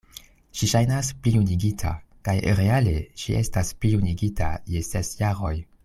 Ŝi ŝajnas plijunigita; kaj reale ŝi estas plijunigita je ses jaroj.